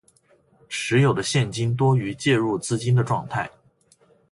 持有的现金多于借入资金的状态